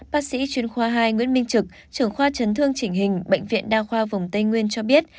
bác sĩ chuyên khoa hai nguyễn minh trực trưởng khoa chấn thương chỉnh hình bệnh viện đa khoa vùng tây nguyên cho biết